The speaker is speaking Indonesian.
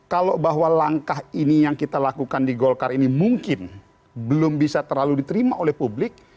kalau bahwa langkah ini yang kita lakukan di golkar ini mungkin belum bisa terlalu diterima oleh publik